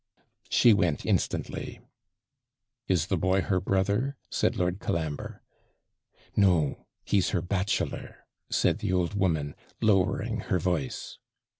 She went instantly. 'Is the boy her brother?' said Lord Colambre. 'No; he's her bachelor,' said the old woman, lowering her voice.